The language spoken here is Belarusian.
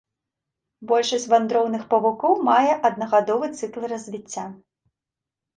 Большасць вандроўных павукоў мае аднагадовы цыкл развіцця.